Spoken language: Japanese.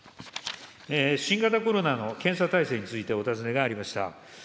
新型コロナの検査体制についてお尋ねがありました。